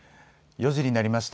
４時になりました。